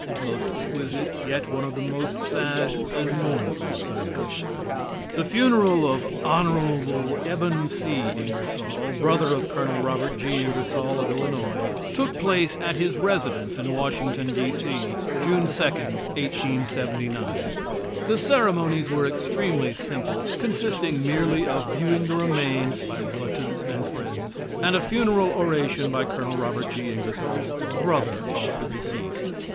A Most Exquisite, Yet One Of The Most Sad And Mournful Sermons The funeral of Hon. Ebon C. Ingersoll, brother of Col. Robert G. Ingersoll, of Illinois, took place at his residence in Washington, D.C., June 2, 1879. The ceremonies were extremely simple, consisting merely of viewing the remains by relatives and friends, and a funeral oration by Col. Robert G. Ingersoll, brother of the deceased.